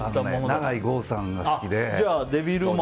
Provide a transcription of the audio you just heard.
永井豪さんが好きで。